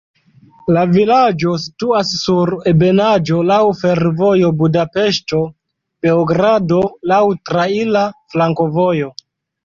La vilaĝo situas sur ebenaĵo, laŭ fervojo Budapeŝto-Beogrado, laŭ traira flankovojo.